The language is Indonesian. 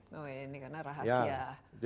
oh ini karena rahasia